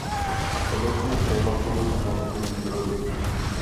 A konečně k tématu vlastních zdrojů.